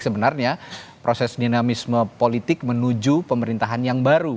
sebenarnya proses dinamisme politik menuju pemerintahan yang baru